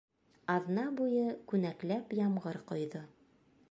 Аҙна буйы күнәкләп ямғыр ҡойҙо.